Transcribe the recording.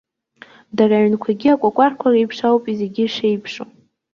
Дара аҩнқәагьы акәакәарқәа реиԥш ауп зегьы шеиԥшу.